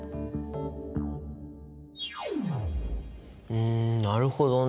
うんなるほどね。